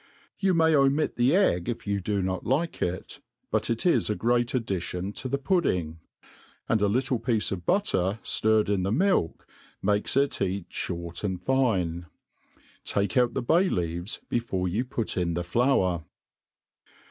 You may omit the egg if you do not lik'e it; but it is a great addition to the pudding ; and a little piece'of butter ftirred in the milk makes it tat ftiort and fine. Take out the bay leaves before you put in the flour.